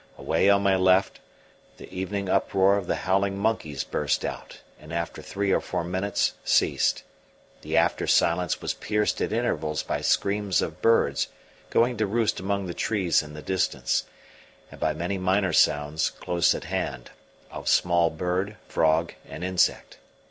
Away on my left the evening uproar of the howling monkeys burst out, and after three or four minutes ceased; the after silence was pierced at intervals by screams of birds going to roost among the trees in the distance, and by many minor sounds close at hand, of small bird, frog, and insect.